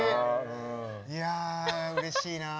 いやうれしいな。